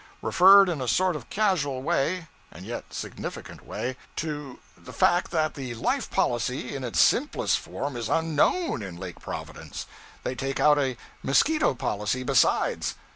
Referred in a sort of casual way and yet significant way to 'the fact that the life policy in its simplest form is unknown in Lake Providence they take out a mosquito policy besides.'